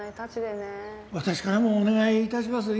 私からもお願い致します。